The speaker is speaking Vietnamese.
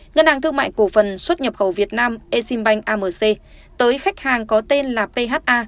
ngân hàng thương mại cổ phần xuất nhập khẩu việt nam eximbank amc tới khách hàng có tên là pha